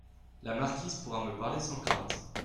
La marquise pourra me parler sans crainte.